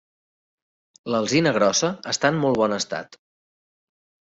L'alzina grossa està en molt bon estat.